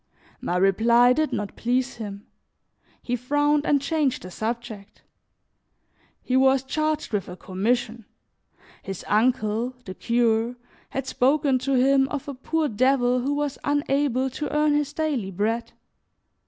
My reply did not please him; he frowned and changed the subject. He was charged with a commission; his uncle, the cure, had spoken to him of a poor devil who was unable to earn his daily bread.